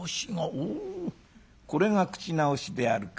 「おこれが口直しであるか。